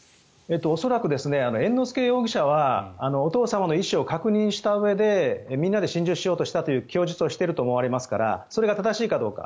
恐らく、猿之助容疑者はお父様の意思を確認したうえでみんなで心中しようとしたという供述をしたと思われますからそれが正しいかどうか。